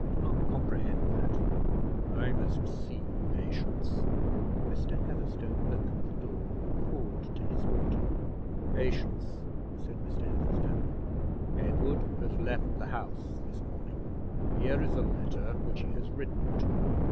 I do not comprehend that I must see Patience." Mr. Heatherstone opened the door, and called to his daughter. "Patience," said Mr. Heatherstone, "Edward has left the house this morning; here is a letter which he has written to me.